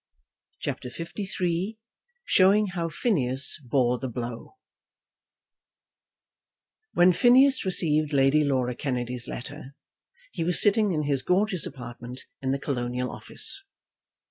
CHAPTER LIII Showing How Phineas Bore the Blow When Phineas received Lady Laura Kennedy's letter, he was sitting in his gorgeous apartment in the Colonial Office.